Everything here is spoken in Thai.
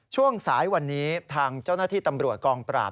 ช่วงสายวันนี้ทางเจ้าหน้าที่ตำรวจกองปราบ